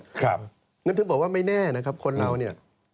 งั้นถึงบอกว่าไม่แน่นะครับคนเราเนี่ย